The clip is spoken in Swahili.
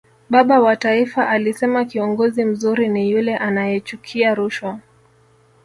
baba wa taifa alisema kiongozi mzuri ni yule anayechukia rushwa